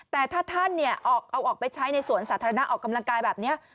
แต่ถ้าท่านเอาออกไปใช้ในสวนสาธารณะออกกำลังกายแบบนี้